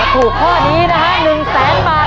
ถูกข้อนี้นะคะหนึ่งแสนบาท